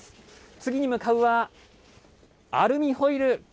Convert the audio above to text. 次に向かうは、アルミホイル。